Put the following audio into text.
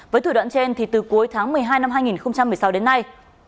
với thủ đoạn trên từ cuối tháng một mươi hai năm hai nghìn một mươi sáu đến nay